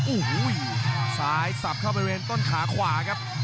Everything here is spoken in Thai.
โอ้โหซ้ายสับเข้าบริเวณต้นขาขวาครับ